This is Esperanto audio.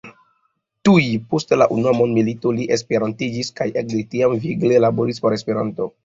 Tuj post la unua mondmilito li esperantiĝis, kaj ekde tiam vigle laboris por Esperanto.